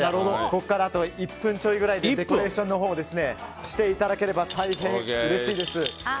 ここからあと１分ちょいでデコレーションをしていただくと大変うれしいです。